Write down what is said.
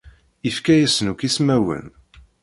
Ifka-asen akk ismawen.